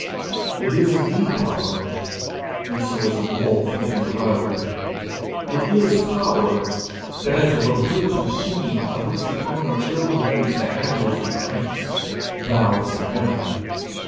It is indeed power, and so is a wolf hid in the robe; it is power, but as of a brute machine, of which the owner ill knows the handles and cranks, valves and governor.